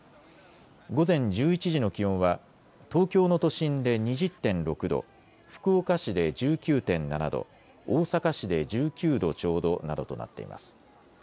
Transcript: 午前１１時の気温は東京の都心で２０．６度、福岡市で１９．７度、大阪市で１９度ちょうどなどとなっています。